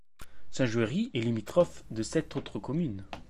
Saint-Juéry est limitrophe de sept autres communes.